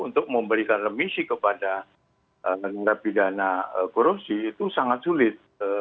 untuk memberikan remisi kepada narapidana korupsi itu sangat sulit